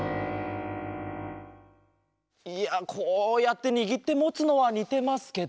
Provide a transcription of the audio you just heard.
いやこうやってにぎってもつのはにてますけど